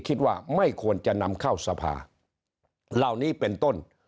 คิดว่าไม่ควรจะนำเข้าสภาล่าวนี้เป็นต้นฉะนั้น